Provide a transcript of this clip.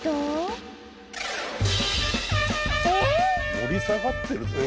「盛り下がってるぜーっ！！」？